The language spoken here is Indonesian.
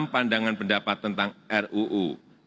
pandangan pendapat tentang ruu